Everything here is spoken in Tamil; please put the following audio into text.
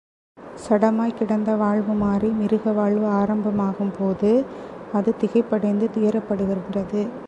சடமாய்க் கிடந்த வாழ்வு மாறி மிருக வாழ்வு ஆரம்பமாகும் போது, அது திகைப்படைந்து துயரப்படுகின்றது.